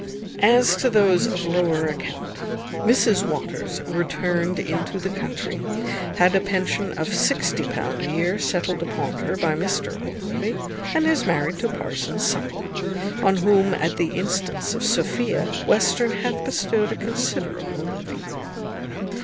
As to those of lower account, Mrs Waters returned into the country, had a pension of £60 a year settled upon her by Mr Allworthy, and is married to Parson Supple, on whom, at the instance of Sophia, Western hath bestowed a considerable living.